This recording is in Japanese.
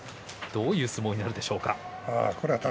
どういう相撲になるでしょうか。